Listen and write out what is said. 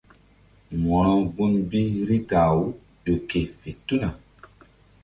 Wo̧ro gun bi Rita-aw ƴo ke fe tuna.